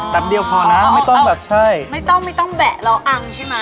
แป๊บเดียวพอนะไม่ต้องแบะเราอังใช่ไหม